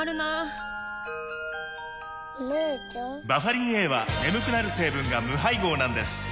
バファリンＡは眠くなる成分が無配合なんです